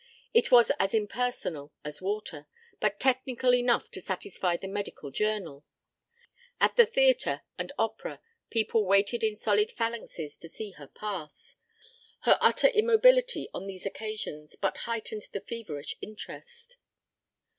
It was as impersonal as water, but technical enough to satisfy the Medical Journal. At the theatre and opera people waited in solid phalanxes to see her pass. Her utter immobility on these occasions but heightened the feverish interest.